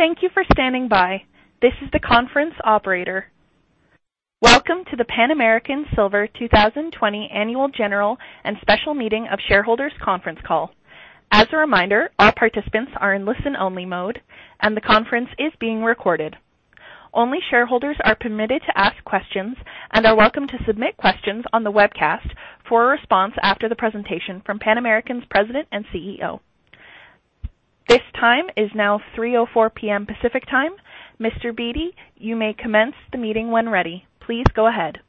Thank you for standing by. This is the conference operator. Welcome to the Pan American Silver 2020 Annual General and Special Meeting of Shareholders Conference Call. As a reminder, all participants are in listen-only mode, and the conference is being recorded. Only shareholders are permitted to ask questions and are welcome to submit questions on the webcast for a response after the presentation from Pan American's President and CEO. This time is now 3:04 P.M. Pacific Time. Mr. Beaty, you may commence the meeting when ready. Please go ahead.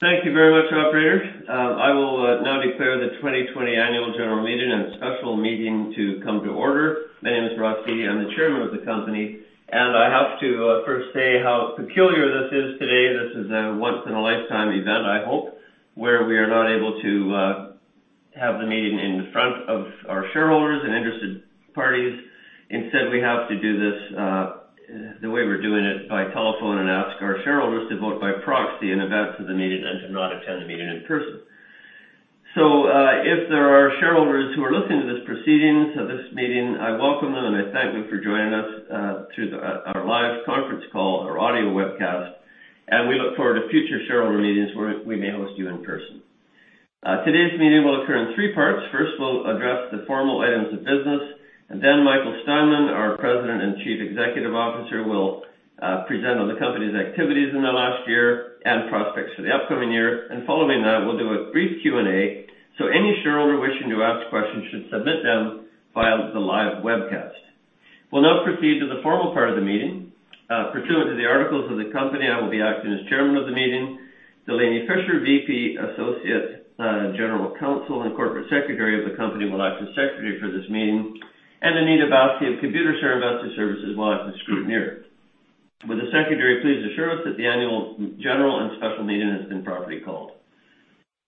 Thank you very much, Operator. I will now declare the 2020 Annual General Meeting and Special Meeting to come to order. My name is Ross Beaty. I'm the Chairman of the company, and I have to first say how peculiar this is today. This is a once-in-a-lifetime event, I hope, where we are not able to have the meeting in front of our shareholders and interested parties. Instead, we have to do this the way we're doing it by telephone and ask our shareholders to vote by proxy in advance of the meeting and to not attend the meeting in person, so if there are shareholders who are listening to this proceedings of this meeting, I welcome them and I thank them for joining us through our live conference call or audio webcast, and we look forward to future shareholder meetings where we may host you in person. Today's meeting will occur in three parts. First, we'll address the formal items of business, and then Michael Steinmann, our President and Chief Executive Officer, will present on the company's activities in the last year and prospects for the upcoming year, and following that, we'll do a brief Q&A, so any shareholder wishing to ask questions should submit them via the live webcast. We'll now proceed to the formal part of the meeting. Pursuant to the articles of the company, I will be acting as Chairman of the meeting. Delaney Fisher, VP, Associate General Counsel, and Corporate Secretary of the company will act as Secretary for this meeting, and Anita Basi of Computershare Investor Services will act as scrutineer. With the Secretary, please assure us that the Annual General and Special Meeting has been properly called.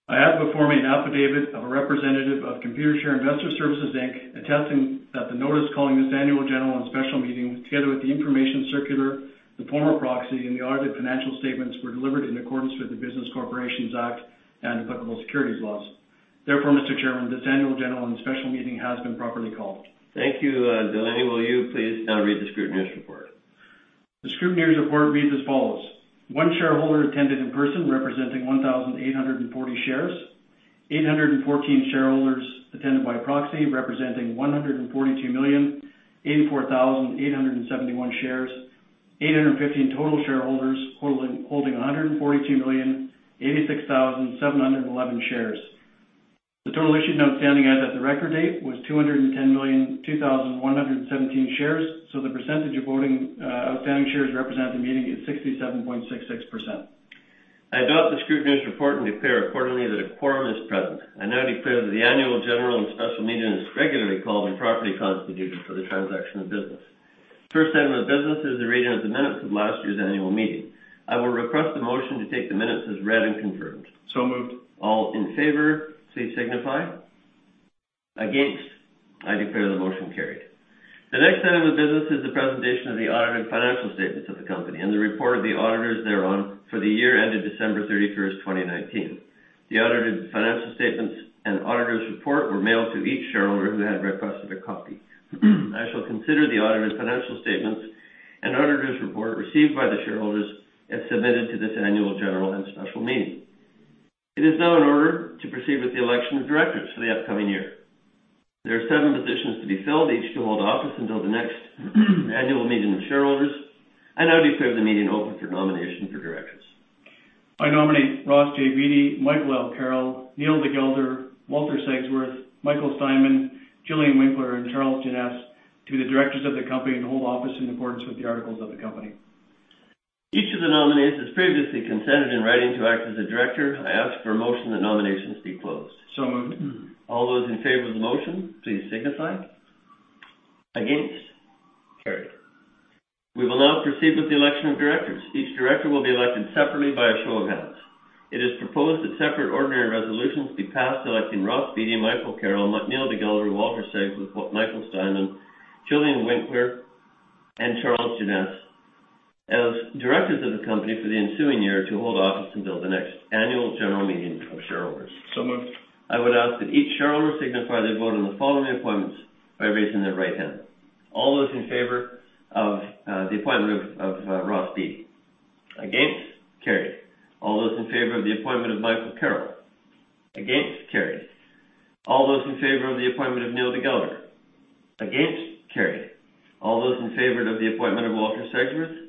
I have before me an affidavit of a representative of Computershare Investor Services Inc, attesting that the notice calling this Annual General and Special Meeting, together with the information circular, the form of proxy, and the audited financial statements, were delivered in accordance with the Business Corporations Act and applicable securities laws. Therefore, Mr. Chairman, this Annual General and Special Meeting has been properly called. Thank you, Delaney. Will you please now read the Scrutineer's Report? The Scrutineer's Report reads as follows: One shareholder attended in person representing 1,840 shares. 814 shareholders attended by proxy representing 142,084,871 shares. 815 total shareholders holding 142,086,711 shares. The total issued outstanding at the record date was 210,002,117 shares, so the percentage of outstanding shares representing the meeting is 67.66%. I adopt the Scrutineer's Report and declare accordingly that a quorum is present. I now declare that the Annual General and Special Meeting is regularly called and properly constituted for the transaction of business. The first item of business is the reading of the minutes of last year's Annual Meeting. I will request the motion to take the minutes as read and confirmed. So moved. All in favor, please signify. Against, I declare the motion carried. The next item of business is the presentation of the audited financial statements of the company and the report of the auditors thereon for the year ended December 31st, 2019. The audited financial statements and auditor's report were mailed to each shareholder who had requested a copy. I shall consider the audited financial statements and auditor's report received by the shareholders and submitted to this Annual General and Special Meeting. It is now in order to proceed with the election of directors for the upcoming year. There are seven positions to be filled, each to hold office until the next Annual Meeting of shareholders. I now declare the meeting open for nomination for directors. I nominate Ross J. Beaty, Michael L. Carroll, Neil de Gelder, Walter Segsworth, Michael Steinmann, Gillian Winckler, and Charles Jeannes to be the directors of the company and hold office in accordance with the articles of the company. Each of the nominees has previously consented in writing to act as a director. I ask for a motion that nominations be closed. So moved. All those in favor of the motion, please signify. Against? Carried. We will now proceed with the election of directors. Each director will be elected separately by a show of hands. It is proposed that separate ordinary resolutions be passed electing Ross Beaty, Michael Carroll, Neil de Gelder, Walter Segsworth, Michael Steinmann, Gillian Winckler, and Charles Jeannes as directors of the company for the ensuing year to hold office until the next Annual General Meeting of shareholders. So moved. I would ask that each shareholder signify their vote on the following appointments by raising their right hand. All those in favor of the appointment of Ross Beaty. Against, carried. All those in favor of the appointment of Michael Carroll. Against, carried. All those in favor of the appointment of Neil de Gelder. Against, carried. All those in favor of the appointment of Walter Segsworth. Against, carried.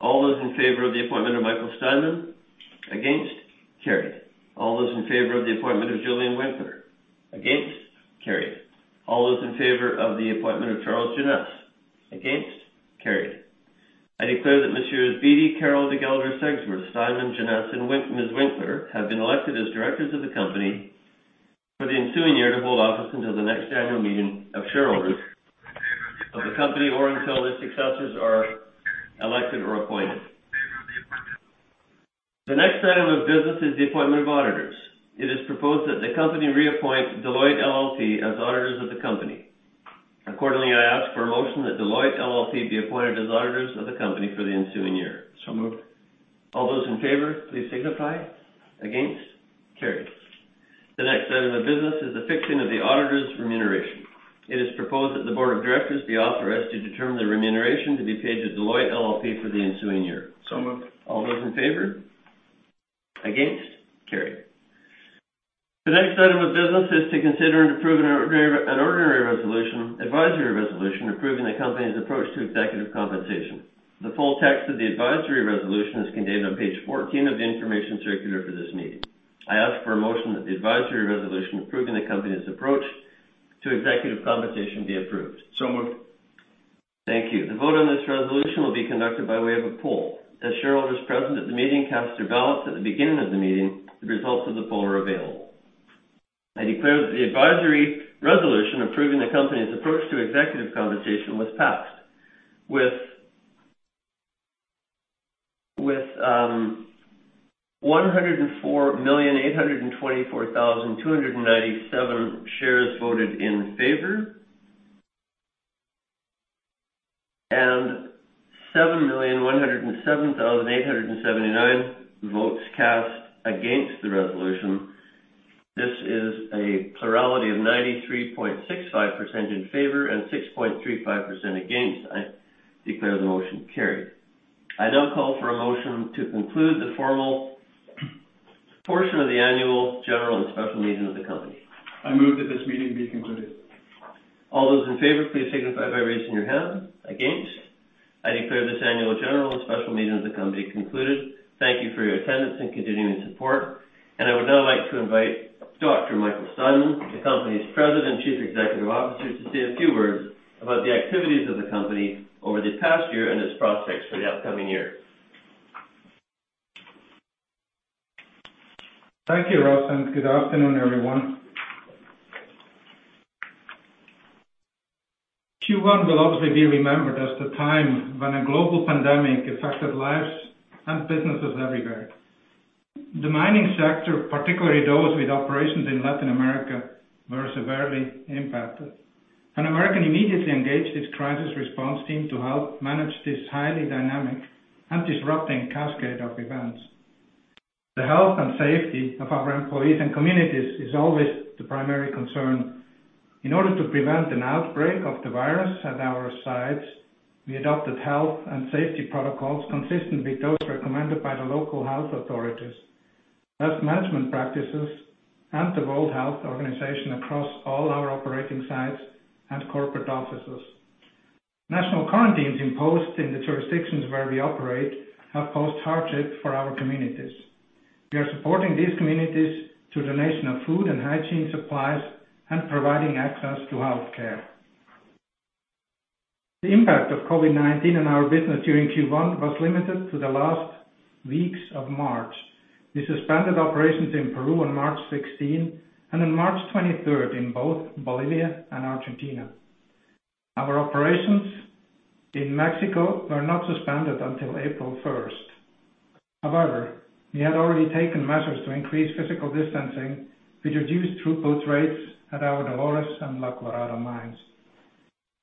All those in favor of the appointment of Michael Steinmann. Against, carried. All those in favor of the appointment of Gillian Winckler. Against, carried. All those in favor of the appointment of Charles Jeannes. Against, carried. I declare that Mr. Beaty, Carroll, de Gelder, Segsworth, Steinmann, Jeannes, and Ms. Winckler have been elected as directors of the company for the ensuing year to hold office until the next Annual Meeting of shareholders of the company or until their successors are elected or appointed. The next item of business is the appointment of auditors. It is proposed that the company reappoint Deloitte LLP as auditors of the company. Accordingly, I ask for a motion that Deloitte LLP be appointed as auditors of the company for the ensuing year. So moved. All those in favor, please signify. Against? Carried. The next item of business is the fixing of the auditor's remuneration. It is proposed that the Board of Directors be authorized to determine the remuneration to be paid to Deloitte LLP for the ensuing year. So moved. All those in favor. Against. Carried. The next item of business is to consider and approve an ordinary resolution, advisory resolution approving the company's approach to executive compensation. The full text of the advisory resolution is contained on page 14 of the information circular for this meeting. I ask for a motion that the advisory resolution approving the company's approach to executive compensation be approved. So moved. Thank you. The vote on this resolution will be conducted by way of a poll. As shareholders present at the meeting cast their ballots at the beginning of the meeting, the results of the poll are available. I declare that the advisory resolution approving the company's approach to executive compensation was passed with 104,824,297 shares voted in favor and 7,107,879 votes cast against the resolution. This is a plurality of 93.65% in favor and 6.35% against. I declare the motion carried. I now call for a motion to conclude the formal portion of the Annual General and Special Meeting of the company. I move that this meeting be concluded. All those in favor, please signify by raising your hand. Against, I declare this Annual General and Special Meeting of the company concluded. Thank you for your attendance and continuing support, and I would now like to invite Dr. Michael Steinmann, the company's President and Chief Executive Officer, to say a few words about the activities of the company over the past year and its prospects for the upcoming year. Thank you, Ross. And good afternoon, everyone. Q1 will obviously be remembered as the time when a global pandemic affected lives and businesses everywhere. The mining sector, particularly those with operations in Latin America, were severely impacted, and Pan American immediately engaged its crisis response team to help manage this highly dynamic and disrupting cascade of events. The health and safety of our employees and communities is always the primary concern. In order to prevent an outbreak of the virus at our sites, we adopted health and safety protocols consistent with those recommended by the local health authorities, best management practices, and the World Health Organization across all our operating sites and corporate offices. National quarantines imposed in the jurisdictions where we operate have posed hardship for our communities. We are supporting these communities through the donation of food and hygiene supplies and providing access to healthcare. The impact of COVID-19 on our business during Q1 was limited to the last weeks of March. We suspended operations in Peru on March 16 and on March 23 in both Bolivia and Argentina. Our operations in Mexico were not suspended until April 1. However, we had already taken measures to increase physical distancing, which reduced throughput rates at our Dolores and La Colorada mines.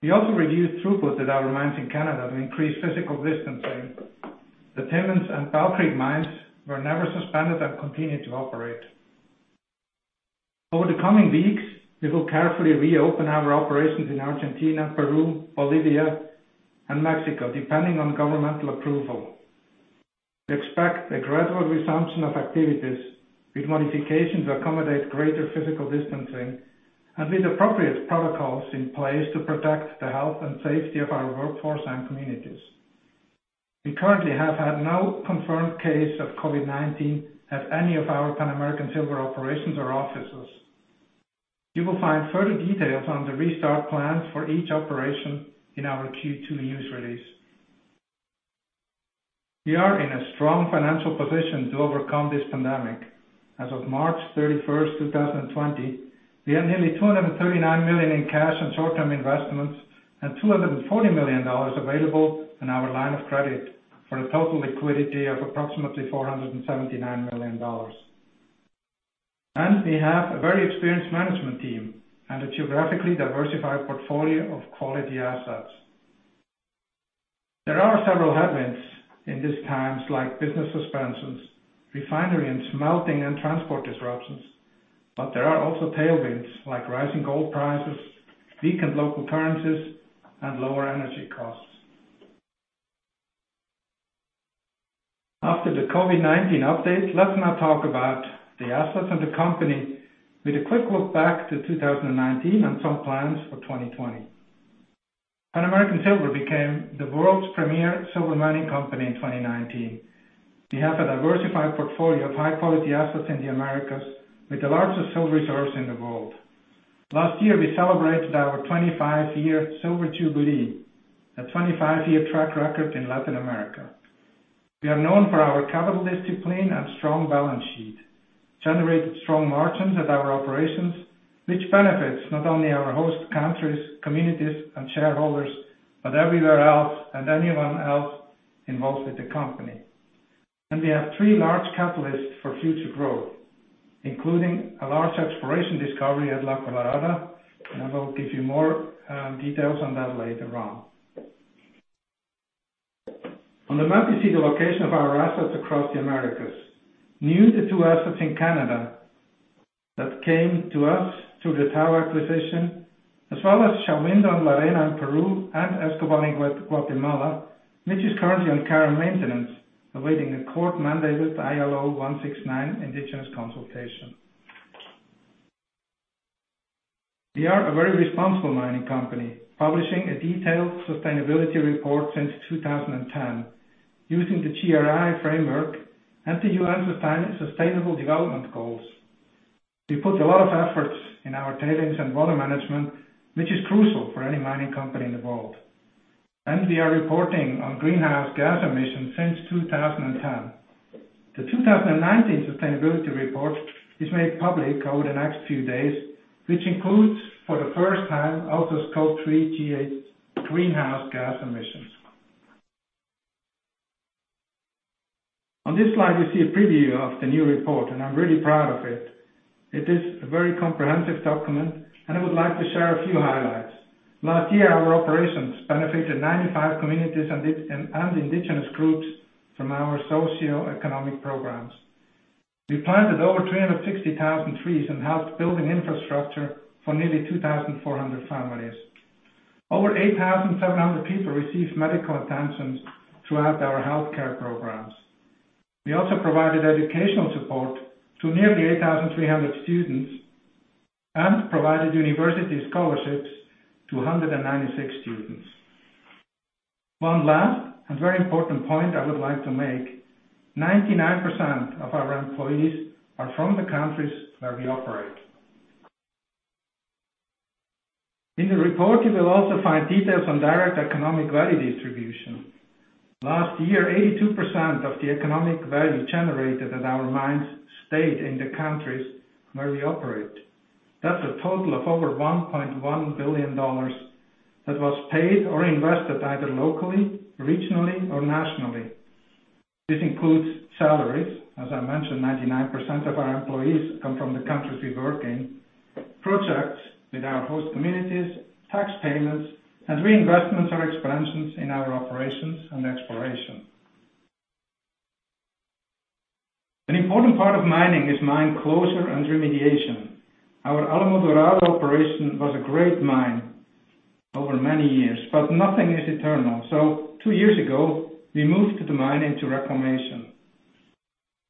We also reduced throughput at our mines in Canada to increase physical distancing. The Timmins and Bell Creek mines were never suspended and continued to operate. Over the coming weeks, we will carefully reopen our operations in Argentina, Peru, Bolivia, and Mexico, depending on governmental approval. We expect a gradual resumption of activities with modifications to accommodate greater physical distancing and with appropriate protocols in place to protect the health and safety of our workforce and communities. We currently have had no confirmed case of COVID-19 at any of our Pan American Silver operations or offices. You will find further details on the restart plans for each operation in our Q2 news release. We are in a strong financial position to overcome this pandemic. As of March 31st, 2020, we have nearly $239 million in cash and short-term investments and $240 million available in our line of credit for a total liquidity of approximately $479 million. And we have a very experienced management team and a geographically diversified portfolio of quality assets. There are several headwinds in these times, like business suspensions, refinery and smelting, and transport disruptions, but there are also tailwinds like rising gold prices, weakened local currencies, and lower energy costs. After the COVID-19 update, let's now talk about the assets of the company with a quick look back to 2019 and some plans for 2020. Pan American Silver became the world's premier silver mining company in 2019. We have a diversified portfolio of high-quality assets in the Americas with the largest silver reserves in the world. Last year, we celebrated our 25-year silver jubilee, a 25-year track record in Latin America. We are known for our capital discipline and strong balance sheet, generating strong margins at our operations, which benefits not only our host countries, communities, and shareholders, but everywhere else and anyone else involved with the company. And we have three large catalysts for future growth, including a large exploration discovery at La Colorada, and I will give you more details on that later on. On the map, you see the location of our assets across the Americas. Now, the two assets in Canada that came to us through the Tahoe acquisition, as well as Shahuindo and La Arena, Peru, and Escobal in Guatemala, which is currently on care and maintenance, awaiting a court-mandated ILO 169 indigenous consultation. We are a very responsible mining company, publishing a detailed sustainability report since 2010 using the GRI framework and the UN Sustainable Development Goals. We put a lot of efforts in our tailings and water management, which is crucial for any mining company in the world, and we are reporting on greenhouse gas emissions since 2010. The 2019 sustainability report is made public over the next few days, which includes, for the first time, Scope 3 GHG greenhouse gas emissions. On this slide, you see a preview of the new report, and I'm really proud of it. It is a very comprehensive document, and I would like to share a few highlights. Last year, our operations benefited 95 communities and indigenous groups from our socioeconomic programs. We planted over 360,000 trees and helped build infrastructure for nearly 2,400 families. Over 8,700 people received medical attention throughout our healthcare programs. We also provided educational support to nearly 8,300 students and provided university scholarships to 196 students. One last and very important point I would like to make: 99% of our employees are from the countries where we operate. In the report, you will also find details on direct economic value distribution. Last year, 82% of the economic value generated at our mines stayed in the countries where we operate. That's a total of over $1.1 billion that was paid or invested either locally, regionally, or nationally. This includes salaries, as I mentioned, 99% of our employees come from the countries we work in, projects with our host communities, tax payments, and reinvestments or expansions in our operations and exploration. An important part of mining is mine closure and remediation. Our Alamo Dorado operation was a great mine over many years, but nothing is eternal. So, two years ago, we moved the mine into reclamation.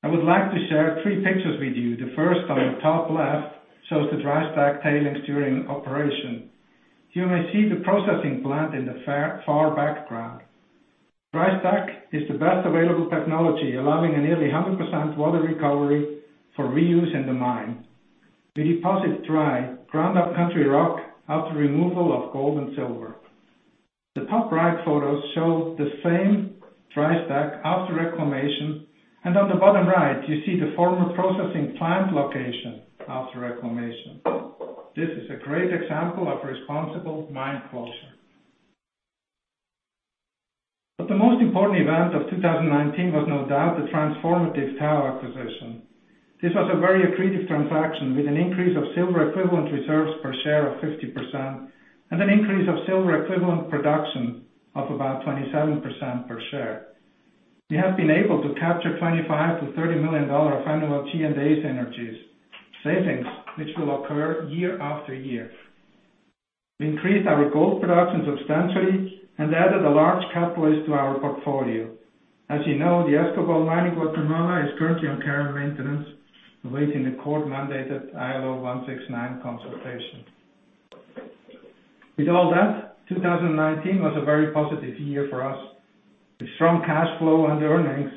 I would like to share three pictures with you. The first on the top left shows the dry stack tailings during operation. You may see the processing plant in the far background. Dry stack is the best available technology, allowing a nearly 100% water recovery for reuse in the mine. We deposit dry, ground-up country rock after removal of gold and silver. The top right photos show the same dry stack after reclamation, and on the bottom right, you see the former processing plant location after reclamation. This is a great example of responsible mine closure. But the most important event of 2019 was no doubt the transformative Tahoe acquisition. This was a very accretive transaction with an increase of silver equivalent reserves per share of 50% and an increase of silver equivalent production of about 27% per share. We have been able to capture $25 million-$30 million of annual Tahoe synergies, savings which will occur year after year. We increased our gold production substantially and added a large catalyst to our portfolio. As you know, the Escobal mine in Guatemala is currently on care and maintenance, awaiting the court-mandated ILO 169 consultation. With all that, 2019 was a very positive year for us with strong cash flow and earnings,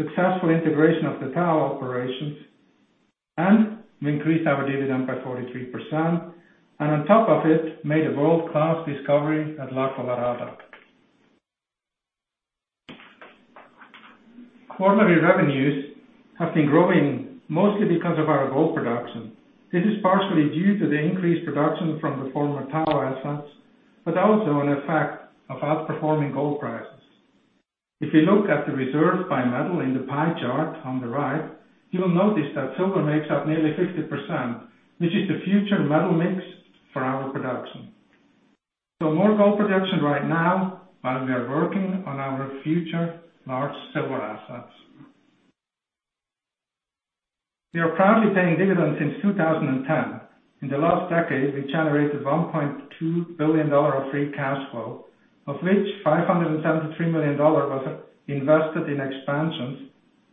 successful integration of the Tahoe operations, and we increased our dividend by 43%. And on top of it, made a world-class discovery at La Colorada. Quarterly revenues have been growing mostly because of our gold production. This is partially due to the increased production from the former Tahoe assets, but also an effect of outperforming gold prices. If you look at the reserves by metal in the pie chart on the right, you will notice that silver makes up nearly 50%, which is the future metal mix for our production. So more gold production right now while we are working on our future large silver assets. We are proudly paying dividends since 2010. In the last decade, we generated $1.2 billion of free cash flow, of which $573 million was invested in expansions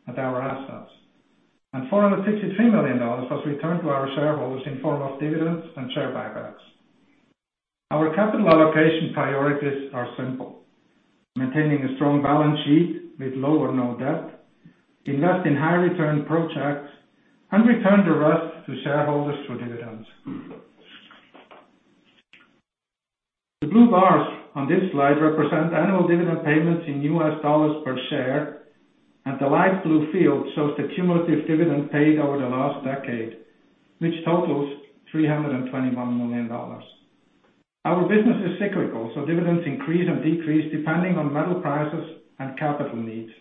at our assets, and $463 million was returned to our shareholders in form of dividends and share buybacks. Our capital allocation priorities are simple: maintaining a strong balance sheet with low or no debt, invest in high-return projects, and return the rest to shareholders through dividends. The blue bars on this slide represent annual dividend payments in US dollars per share, and the light blue field shows the cumulative dividend paid over the last decade, which totals $321 million. Our business is cyclical, so dividends increase and decrease depending on metal prices and capital needs,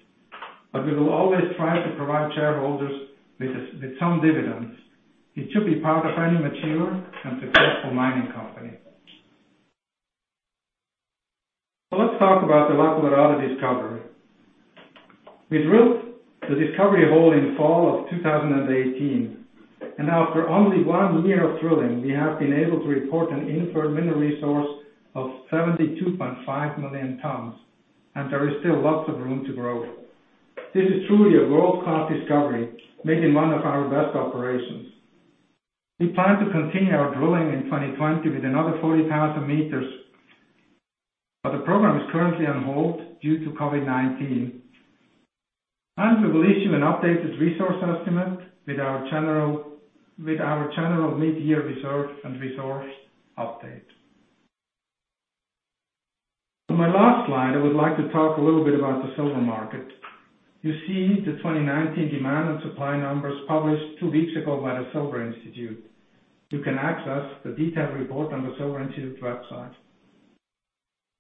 but we will always try to provide shareholders with some dividends. It should be part of any mature and successful mining company. So let's talk about the La Colorada discovery. We drilled the discovery hole in fall of 2018, and after only one year of drilling, we have been able to report an inferred mineral resource of 72.5 million tons, and there is still lots of room to grow. This is truly a world-class discovery made in one of our best operations. We plan to continue our drilling in 2020 with another 40,000 meters, but the program is currently on hold due to COVID-19, and we will issue an updated resource estimate with our general mid-year reserve and resource update. On my last slide, I would like to talk a little bit about the silver market. You see the 2019 demand and supply numbers published two weeks ago by the Silver Institute. You can access the detailed report on the Silver Institute website.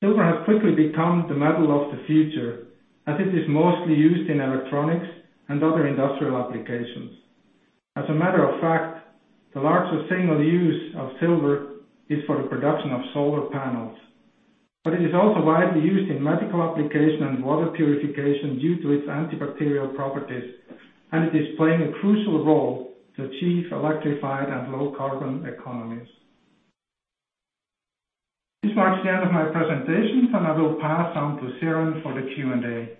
Silver has quickly become the metal of the future as it is mostly used in electronics and other industrial applications. As a matter of fact, the largest single use of silver is for the production of solar panels, but it is also widely used in medical applications and water purification due to its antibacterial properties, and it is playing a crucial role to achieve electrified and low-carbon economies. This marks the end of my presentation, and I will pass on to Siren for the Q&A.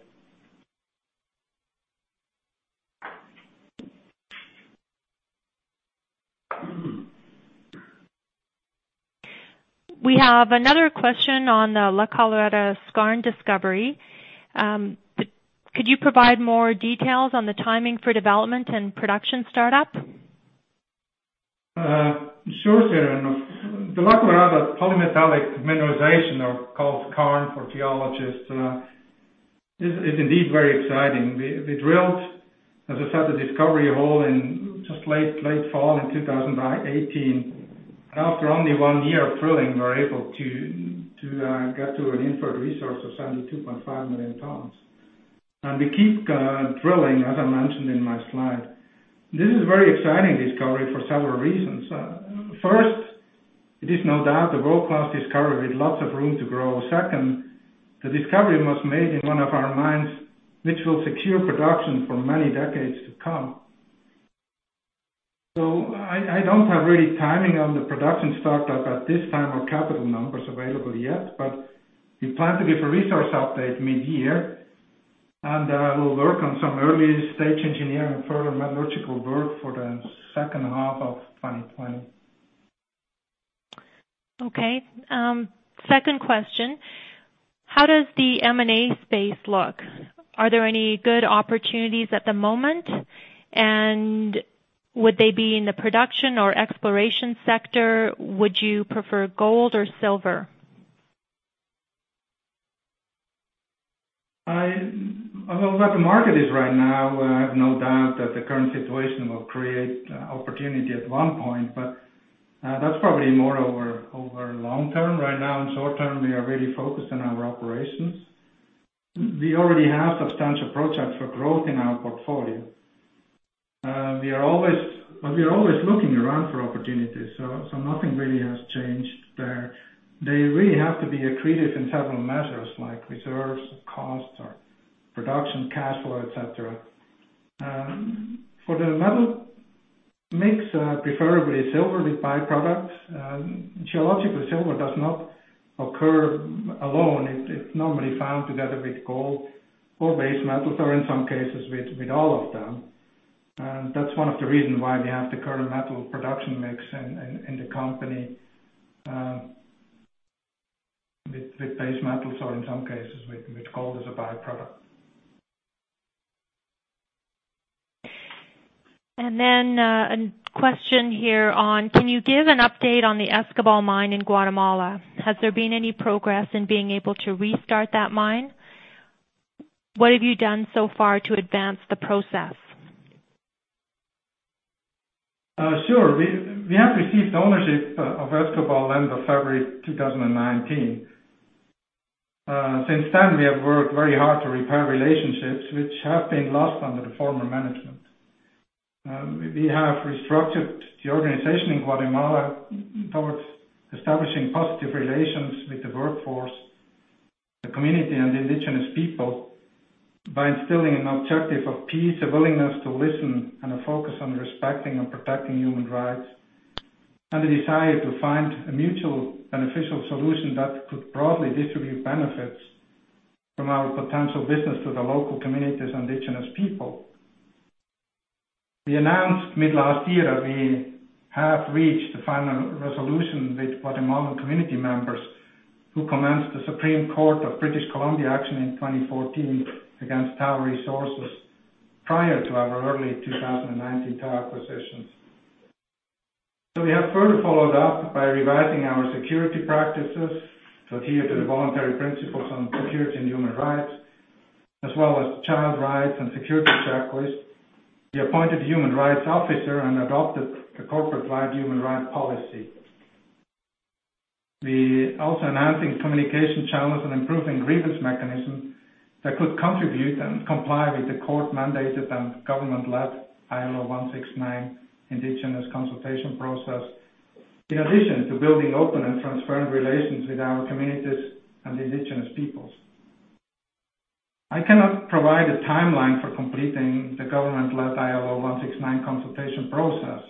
We have another question on the La Colorada skarn discovery. Could you provide more details on the timing for development and production startup? Sure, Siren. The La Colorada polymetallic mineralization, or called skarn for geologists, is indeed very exciting. We drilled, as I said, the discovery hole in just late fall in 2018, and after only one year of drilling, we were able to get to an inferred resource of 72.5 million tons, and we keep drilling, as I mentioned in my slide. This is a very exciting discovery for several reasons. First, it is no doubt a world-class discovery with lots of room to grow. Second, the discovery was made in one of our mines, which will secure production for many decades to come, so I don't have really timing on the production startup at this time or capital numbers available yet, but we plan to give a resource update mid-year, and we'll work on some early stage engineering and further metallurgical work for the second half of 2020. Okay. Second question: how does the M&A space look? Are there any good opportunities at the moment, and would they be in the production or exploration sector? Would you prefer gold or silver? Where the market is right now, I have no doubt that the current situation will create opportunity at one point, but that's probably more over long term. Right now, in short term, we are really focused on our operations. We already have substantial projects for growth in our portfolio. We are always looking around for opportunities, so nothing really has changed there. They really have to be accretive in several measures, like reserves, costs, or production cash flow, etc. For the metal mix, preferably silver with byproducts. Geologically, silver does not occur alone. It's normally found together with gold or base metals, or in some cases with all of them, and that's one of the reasons why we have the current metal production mix in the company with base metals, or in some cases with gold as a byproduct. Then a question here on: Can you give an update on the Escobal mine in Guatemala? Has there been any progress in being able to restart that mine? What have you done so far to advance the process? Sure. We have received ownership of Escobal in February 2019. Since then, we have worked very hard to repair relationships which have been lost under the former management. We have restructured the organization in Guatemala towards establishing positive relations with the workforce, the community, and the indigenous people by instilling an objective of peace, a willingness to listen, and a focus on respecting and protecting human rights, and a desire to find a mutually beneficial solution that could broadly distribute benefits from our potential business to the local communities and indigenous people. We announced mid-last year that we have reached the final resolution with Guatemalan community members who commenced the Supreme Court of British Columbia action in 2014 against Tahoe Resources prior to our early 2019 Tahoe acquisitions. We have further followed up by revising our security practices to adhere to the Voluntary Principles on Security and Human Rights, as well as Child Rights and Security Checklist. We appointed a human rights officer and adopted a corporate-wide human rights policy. We also enhanced communication channels and improved grievance mechanisms that could contribute and comply with the court-mandated and government-led ILO 169 indigenous consultation process, in addition to building open and transparent relations with our communities and indigenous peoples. I cannot provide a timeline for completing the government-led ILO 169 consultation process.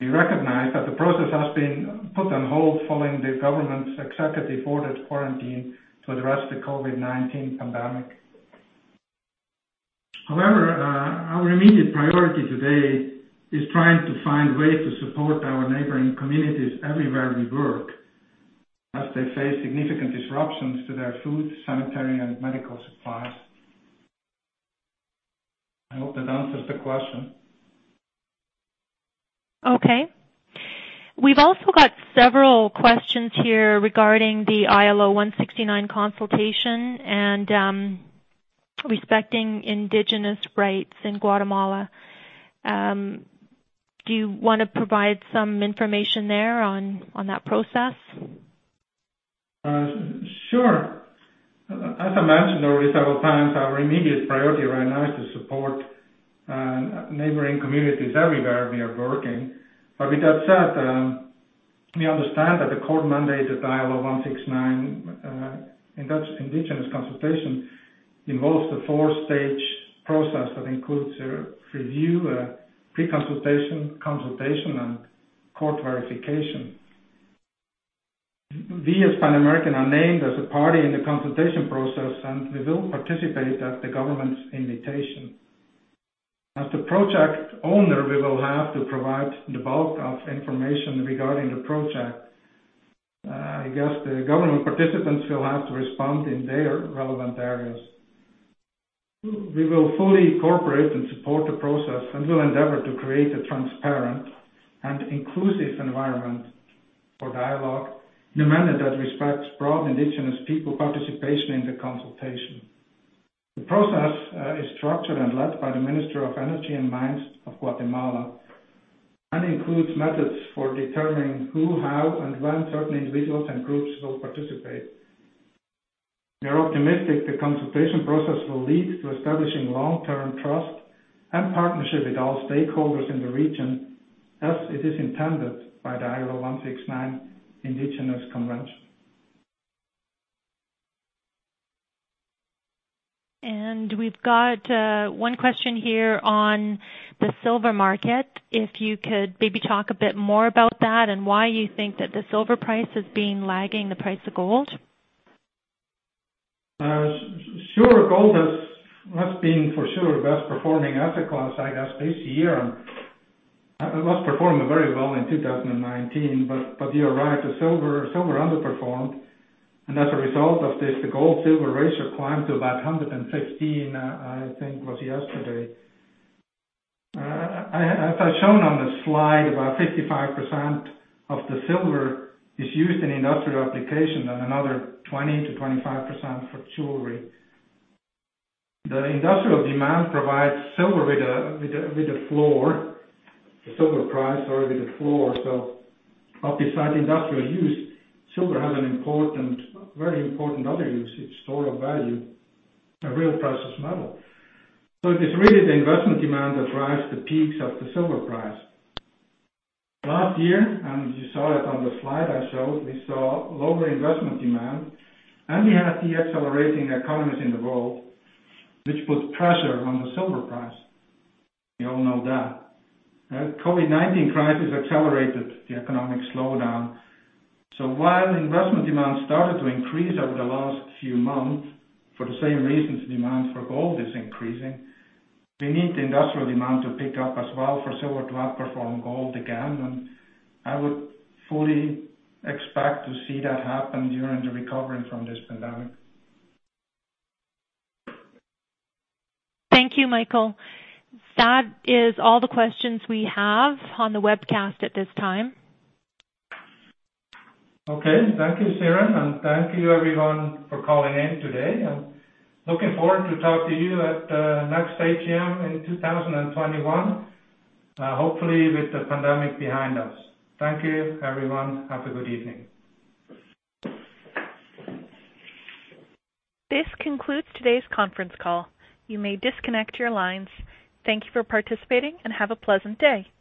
We recognize that the process has been put on hold following the government's executive-ordered quarantine to address the COVID-19 pandemic. However, our immediate priority today is trying to find ways to support our neighboring communities everywhere we work as they face significant disruptions to their food, sanitary, and medical supplies. I hope that answers the question. Okay. We've also got several questions here regarding the ILO 169 consultation and respecting indigenous rights in Guatemala. Do you want to provide some information there on that process? Sure. As I mentioned several times, our immediate priority right now is to support neighboring communities everywhere we are working. But with that said, we understand that the court-mandated ILO 169 indigenous consultation involves a four-stage process that includes a review, pre-consultation, consultation, and court verification. We, as Pan American, are named as a party in the consultation process, and we will participate at the government's invitation. As the project owner, we will have to provide the bulk of information regarding the project. I guess the government participants will have to respond in their relevant areas. We will fully cooperate and support the process and will endeavor to create a transparent and inclusive environment for dialogue in a manner that respects broad indigenous people participation in the consultation. The process is structured and led by the Minister of Energy and Mines of Guatemala and includes methods for determining who, how, and when certain individuals and groups will participate. We are optimistic the consultation process will lead to establishing long-term trust and partnership with all stakeholders in the region as it is intended by the ILO 169 indigenous convention. We've got one question here on the silver market. If you could maybe talk a bit more about that and why you think that the silver price is being lagging the price of gold. Sure. Gold has been for sure the best-performing asset class, I guess, this year. It was performing very well in 2019, but you're right. The silver underperformed, and as a result of this, the gold-silver ratio climbed to about 115, I think it was yesterday. As I've shown on the slide, about 55% of the silver is used in industrial application and another 20%-25% for jewelry. The industrial demand provides silver with a floor, the silver price, sorry, with a floor. So besides industrial use, silver has a very important other use: it's store of value, a real precious metal. So it is really the investment demand that drives the peaks of the silver price. Last year, and you saw it on the slide I showed, we saw lower investment demand, and we had the accelerating economies in the world, which put pressure on the silver price. We all know that. The COVID-19 crisis accelerated the economic slowdown. So while investment demand started to increase over the last few months for the same reasons demand for gold is increasing, we need the industrial demand to pick up as well for silver to outperform gold again, and I would fully expect to see that happen during the recovery from this pandemic. Thank you, Michael. That is all the questions we have on the webcast at this time. Okay. Thank you, Siren, and thank you, everyone, for calling in today. I'm looking forward to talking to you at the next AGM in 2021, hopefully with the pandemic behind us. Thank you, everyone. Have a good evening. This concludes today's conference call. You may disconnect your lines. Thank you for participating, and have a pleasant day.